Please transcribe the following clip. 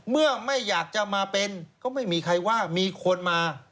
เมื่อไม่อยากจะมาเป็นก็ไม่มีใครว่ามีคนมา